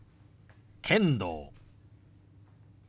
「剣道」。